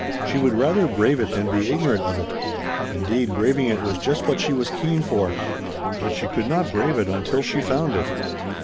She would rather brave it than be ignorant of it. Indeed braving it was just what she was keen for. But she could not brave it until she found it.